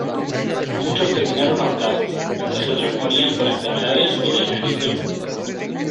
Muchos terminaron ahorcados, mientras que otros morían por enfermedades o de inanición.